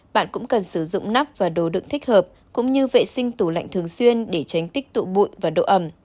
bạn cũng cần sử dụng nắp và đồ đựng thích hợp cũng như vệ sinh tủ lạnh thường xuyên để tránh tích tụ bụi và độ ẩm